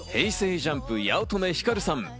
ＪＵＭＰ・八乙女光さん。